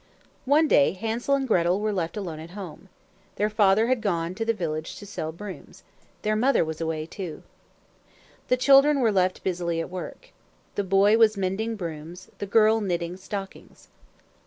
One day Hansel and Gretel were left alone at home. Their father had gone to the village to sell brooms. Their mother was away, too. The children were left busily at work. The boy was mending brooms, the girl knitting stockings.